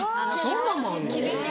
そんなんもあんの？